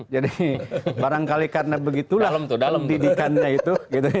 jadi barangkali karena begitulah pendidikannya itu